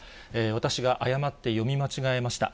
私が誤って読み間違えました。